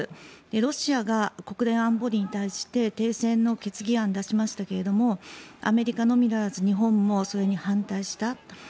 ロシアが国連安保理に対して停戦の決議案を出しましたけれどアメリカのみならず日本もそれに反対した。